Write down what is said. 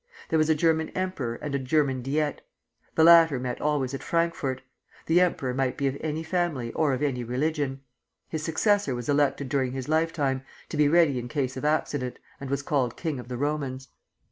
There was a German emperor and a German Diet. The latter met always at Frankfort. The emperor might be of any family or of any religion. His successor was elected during his lifetime, to be ready in case of accident, and was called King of the Romans.